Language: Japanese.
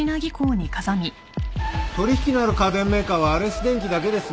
取引のある家電メーカーはアレス電機だけですね。